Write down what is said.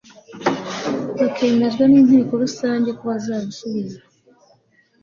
bakemezwa n inteko rusange ko bazabisubiza